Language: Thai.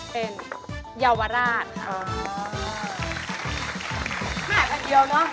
เป็นเยาวราชครับ